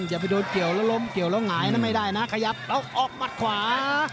อย่าไปโดนเกี่ยวแล้วล้มเกี่ยวแล้วหงายนะไม่ได้นะขยับแล้วออกหมัดขวา